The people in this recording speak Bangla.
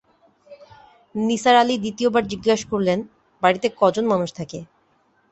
নিসার আলি দ্বিতীয় বার জিজ্ঞেস করলেন, বাড়িতে ক জন মানুষ থাকে?